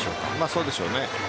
そうでしょうね